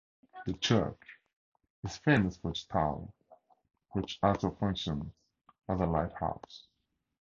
The church is famous for its tower which also functions as a lighthouse.